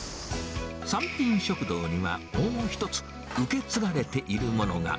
三品食堂には、もう一つ、受け継がれているものが。